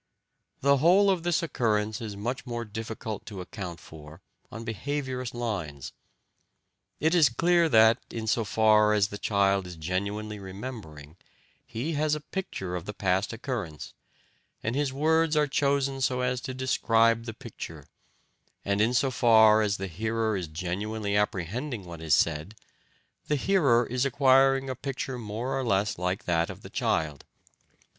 The whole of this occurrence is much more difficult to account for on behaviourist lines. It is clear that, in so far as the child is genuinely remembering, he has a picture of the past occurrence, and his words are chosen so as to describe the picture; and in so far as the hearer is genuinely apprehending what is said, the hearer is acquiring a picture more or less like that of the child.